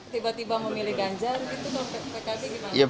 tiba tiba memilih ganjar itu ke pkb gimana